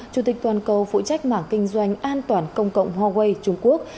chủ tịch toàn cầu phụ trách mảng kinh doanh an toàn công cộng huawei trung quốc